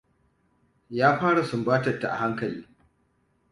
Ya fara sumbatar ta a hankali.